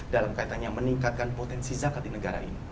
dalam kaitannya meningkatkan potensi zakat di negara ini